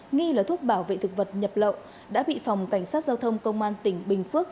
nghi là thuốc bảo vệ thực vật nhập lậu đã bị phòng cảnh sát giao thông công an tỉnh bình phước